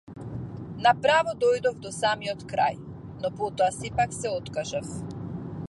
На право дојдов до самиот крај, но потоа сепак се откажав.